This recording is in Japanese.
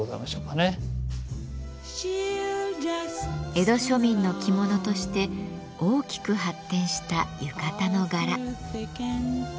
江戸庶民の着物として大きく発展した浴衣の柄。